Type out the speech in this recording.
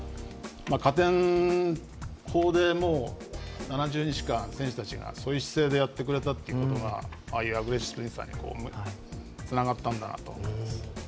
加点法で７０日間選手たちが、そういう姿勢でやってくれたことがああいうアグレッシブさにつながったんだなと思います。